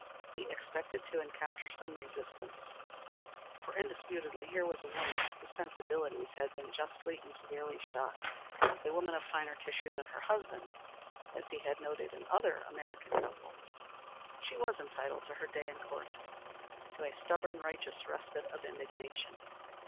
He expected to encounter some resistance, for indisputably here was a woman whose sensibilities had been justly and severely shocked a woman of finer tissue than her husband, as he had noted in other American couples. She was entitled to her day in court to a stubborn, righteous respite of indignation.